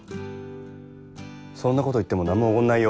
そんなこと言っても何もおごんないよ。